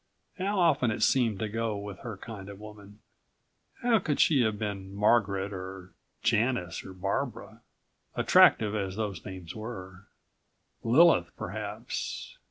How often it seemed to go with her kind of woman. How could she have been Margaret or Janice or Barbara ... attractive as those names were. Lilith perhaps